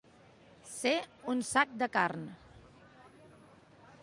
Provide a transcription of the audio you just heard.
Ser un sac de carn.